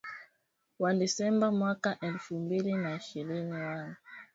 wa Disemba mwaka elfu mbili na ishirini wa